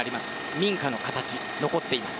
民家の形残っています。